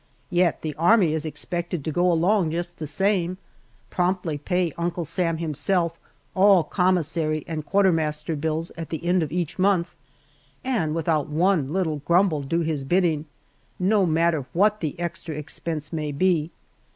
Yet the Army is expected to go along just the same, promptly pay Uncle Sam himself all commissary and quartermaster bills at the end of each month, and without one little grumble do his bidding, no matter what the extra expense may be.